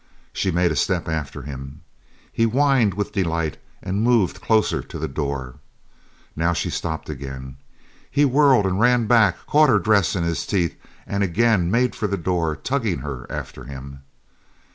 She made a step after him. He whined with delight and moved closer to the door. Now she stopped again. He whirled and ran back, caught her dress in his teeth, and again made for the door, tugging her after him.